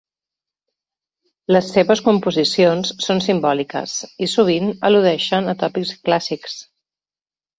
Les seves composicions són simbòliques i sovint al·ludeixen a tòpics clàssics.